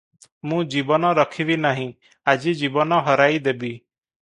ମୁଁ ଜୀବନ ରଖିବି ନାହିଁ, ଆଜି ଜୀବନ ହରାଇ ଦେବି ।"